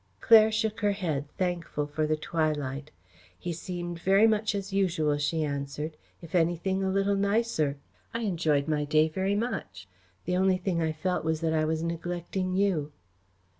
Claire shook her head, thankful for the twilight. "He seemed very much as usual," she answered; "if anything a little nicer. I enjoyed my day very much. The only thing I felt was that I was neglecting you."